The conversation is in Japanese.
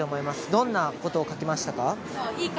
どんなことを書きましたか？